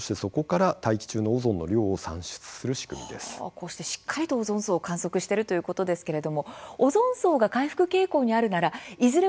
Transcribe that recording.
こうしてしっかりとオゾン層を観測してるということですけれどもオゾン層が回復傾向にあるならいずれ